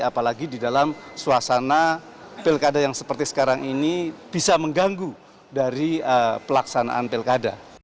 apalagi di dalam suasana pilkada yang seperti sekarang ini bisa mengganggu dari pelaksanaan pilkada